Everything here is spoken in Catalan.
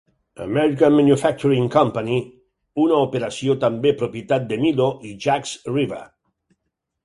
American Manufacturing Company, una operació també propietat de Milo i Jacques Revah.